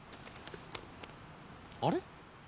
あれ？